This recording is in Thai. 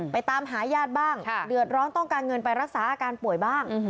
ตามหาญาติบ้างเดือดร้อนต้องการเงินไปรักษาอาการป่วยบ้าง